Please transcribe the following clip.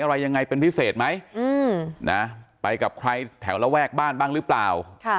อะไรยังไงเป็นพิเศษไหมไปกับใครแถวระแวกบ้านบ้างหรือเปล่า